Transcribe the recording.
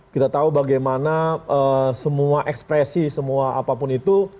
kita tahu bagaimana semua ekspresi semua apapun itu